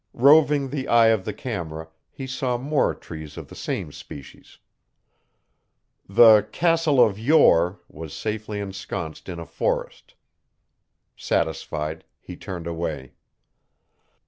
Roving the eye of the camera, he saw more trees of the same species. The "castle of Yore" was safely ensconced in a forest. Satisfied, he turned away.